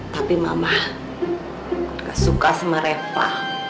tapi mama gak suka sama reva